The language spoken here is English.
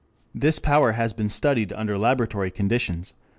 This power has been studied under laboratory conditions.